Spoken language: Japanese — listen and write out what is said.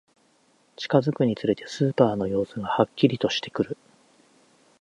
近づくにつれて、スーパーの様子がはっきりとしてくる